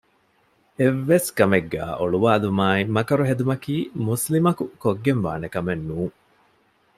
އެއްވެސްކަމެއްގައި އޮޅުވައިލުމާއި މަކަރުހެދުމަކީ މުސްލިމަކު ކޮށްގެންވާނެކަމެއްނޫން